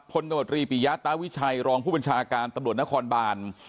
ตมตรีปิยาตาวิชัยรองผู้บัญชาการตำรวจนครบาน